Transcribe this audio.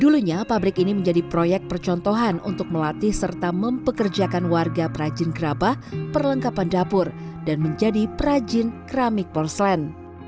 dulunya pabrik ini menjadi proyek percontohan untuk melatih serta mempekerjakan warga perajin gerabah perlengkapan dapur dan menjadi perajin keramik porslen